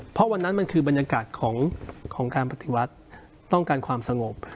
เพราะวันนั้นมันคือบรรยากาศของการปฏิวัติต้องการความสงบ